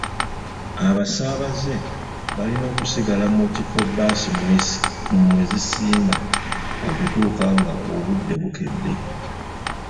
Abasaabaze balina okusigala mu kifo baasi mwe zisimba okutuuka nga obudde bukedde.